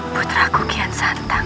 putraku kian santang